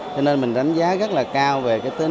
cho nên mình đánh giá rất là cao về cái tính ứng dụng